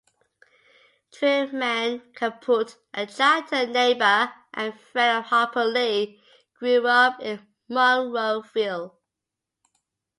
Truman Capote, a childhood neighbor and friend of Harper Lee, grew up in Monroeville.